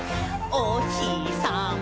「おひさま